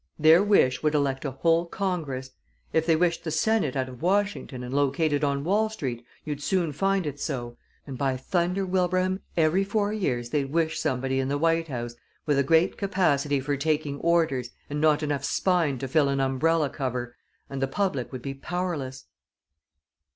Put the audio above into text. Their wish would elect a whole Congress. If they wished the Senate out of Washington and located on Wall Street, you'd soon find it so, and, by thunder, Wilbraham, every four years they'd wish somebody in the White House with a great capacity for taking orders and not enough spine to fill an umbrella cover, and the public would be powerless."